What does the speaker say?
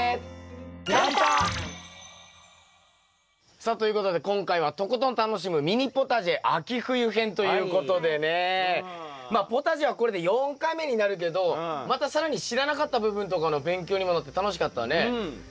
さあということで今回は「とことん楽しむミニポタジェ秋冬編」ということでねまあポタジェはこれで４回目になるけどまた更に知らなかった部分とかの勉強にもなって楽しかったね。